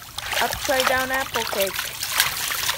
Upside down apple cake.